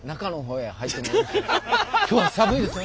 今日は寒いですよね。